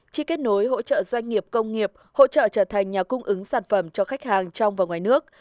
chi kết nối hỗ trợ doanh nghiệp công nghiệp hỗ trợ trở thành nhà cung ứng sản phẩm cho khách hàng trong và ngoài nước